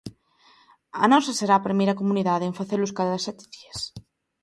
A nosa será a primeira comunidade en facelos cada sete días.